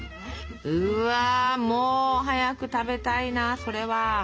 うわも早く食べたいなそれは。